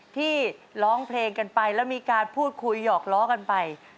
ที่ร้องเพลงกันไปแล้วมีการพูดคุยหยอกล้อกันไป